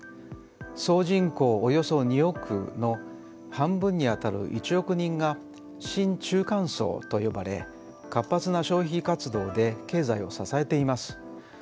総人口およそ２億の半分にあたる１億人が新中間層と呼ばれ活発な消費活動で経済を支えています。